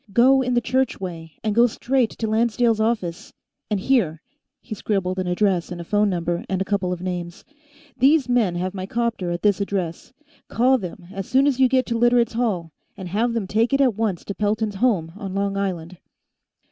"Go in the church way, and go straight to Lancedale's office. And here." He scribbled an address and a phone number and a couple of names. "These men have my 'copter at this address. Call them as soon as you get to Literates' Hall and have them take it at once to Pelton's home, on Long Island."